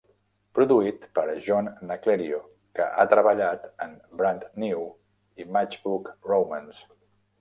Produït per John Naclerio, que ha treballat amb Brand New i Matchbook Romance.